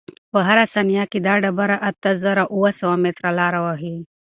په هره ثانیه کې دا ډبره اته زره اوه سوه متره لاره وهي.